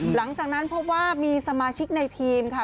หลังจากนั้นพบว่ามีสมาชิกในทีมค่ะ